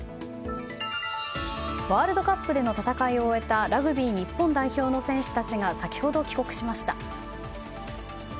ワールドカップでの戦いを終えたラグビー日本代表の選手たちが先ほど帰国しました。